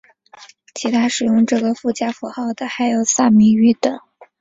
其他使用这个附加符号的还有萨米语等。